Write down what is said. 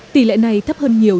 tỷ lệ này thấp hơn nhiều